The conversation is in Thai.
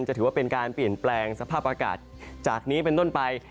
ถือว่าเป็นการเปลี่ยนแปลงสภาพอากาศจากนี้เป็นต้นไป